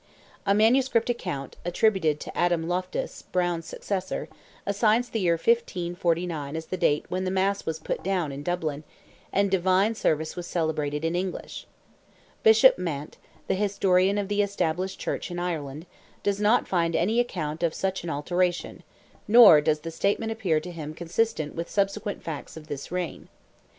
A manuscript account, attributed to Adam Loftus, Browne's successor, assigns the year 1549 as the date when "the Mass was put down," in Dublin, "and divine service was celebrated in English." Bishop Mant, the historian of the Established Church in Ireland, does not find any account of such an alteration, nor does the statement appear to him consistent with subsequent facts of this reign.